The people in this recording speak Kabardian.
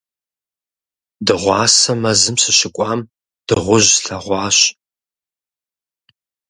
Дыгъуасэ мэзым сыщыкӀуам дыгъужь слъэгъуащ.